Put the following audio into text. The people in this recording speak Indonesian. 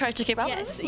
anda mencoba untuk menjaga